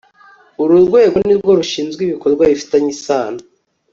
uru rwego ni rwo rushinzwe ibikorwa bifitanye isano